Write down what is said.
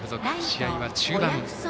試合は中盤。